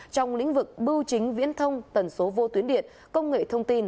trong lĩnh vực bưu chính viễn thông tần số vô tuyến điện công nghệ thông tin